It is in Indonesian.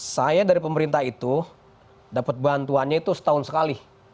saya dari pemerintah itu dapat bantuannya itu setahun sekali